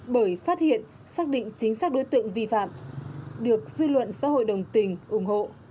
bởi phát hiện xác định chính xác đối tượng vi phạm được dư luận xã hội đồng tình ủng hộ